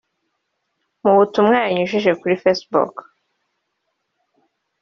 Mu butumwa yanyujije kuri Facebook